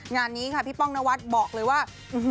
งานนี้ค่ะพี่ป้องนวัดบอกเลยว่า